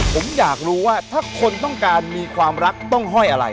ผมอยากรู้ว่าถ้าคนต้องการมีความรักต้องห้อยอะไร